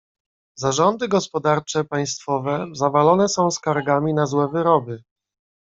"Zarządy gospodarcze państwowe zawalone są skargami na złe wyroby."